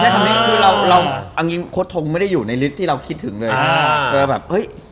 คือเราคดทงไม่ได้อยู่ในลิสต์ที่เราคิดถึงเลย